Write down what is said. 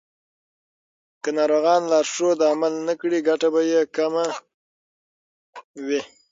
که ناروغان لارښود عملي نه کړي، ګټه به یې کمه وي.